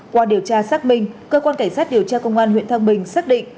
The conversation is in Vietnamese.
qua điều tra xác minh cơ quan cảnh sát điều tra công an huyện thăng bình xác định